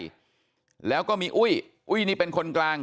ลูกพี่ของแก๊งขามใหญ่แล้วก็มีอุ้ยอุ้ยนี่เป็นคนกลาง